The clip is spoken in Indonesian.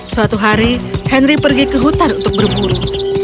suatu hari henry pergi ke hutan untuk berburu